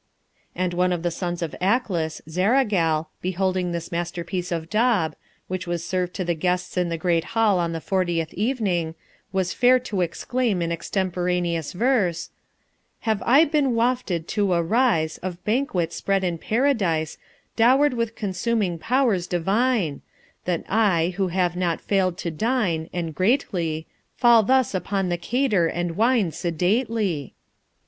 And one of the Sons of Aklis, Zaragal, beholding this masterpiece of Dob, which was served to the guests in the Great Hall on the fortieth evening, was fair to exclaim in extemporaneous verse: Have I been wafted to a rise Of banquet spread in Paradise, Dower'd with consuming powers divine; That I, who have not fail'd to dine, And greatly, Fall thus upon the cater and wine Sedately?